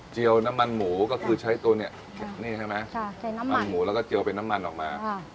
เจียวน้ำมันหมูก็คือใช้ตัวเนี้ยอ่านี่ใช่ไหมใช้น้ำมันน้ำมันหมูแล้วก็เจียวเป็นน้ำมันออกมาอ่า